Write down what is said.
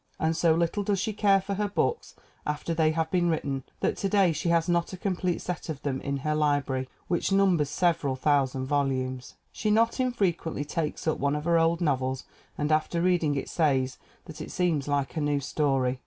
And so little does she care for her books after they have been written that to day she has not a complete set of them in her library, which numbers several thousand volumes. She not infrequently takes up one of her old novels and after reading it says that it seems like a new story.